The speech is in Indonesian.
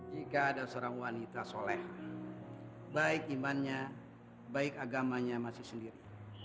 jika ada seorang wanita soleh baik imannya baik agamanya masih sendiri